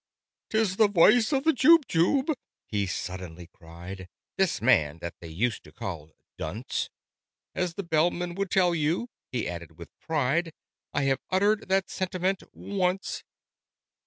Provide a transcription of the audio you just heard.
"'Tis the voice of the Jubjub!" he suddenly cried. (This man, that they used to call "Dunce.") "As the Bellman would tell you," he added with pride, "I have uttered that sentiment once.